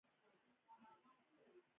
ژبه زموږ د مفاهيمي وسیله ده.